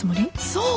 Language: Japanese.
そう！